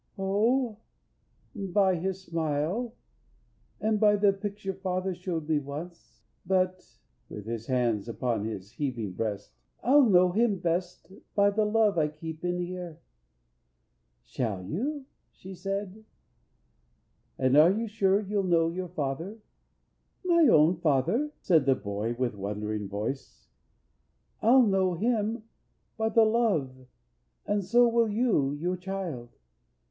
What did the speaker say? "O by His smile, And by the picture father shewed me once, But" (with his hand upon his heaving breast) "I'll know Him best by the love I keep in here." "Shall you?" she said, "and are you sure you'll know Your father?" "My own father!" said the boy, With wondering voice, "I'll know him by the love, And so will you your child.